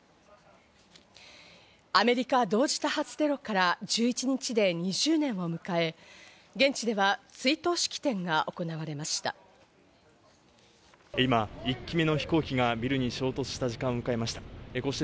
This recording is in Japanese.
アメリカ同時多発テロから１１日で２０年を迎え、現地では追悼式典が行われました。